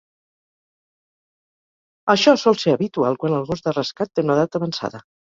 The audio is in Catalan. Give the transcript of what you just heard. Això sol ser habitual quan el gos de rescat té una edat avançada.